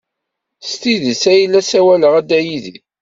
S tidet ay la ssawaleɣ a Dda Yidir.